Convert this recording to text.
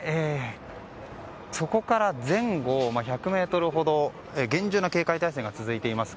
そこから前後１００ｍほど厳重な警戒態勢が続いています。